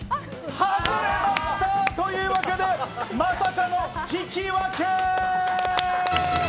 外れました！というわけで、まさかの引き分け。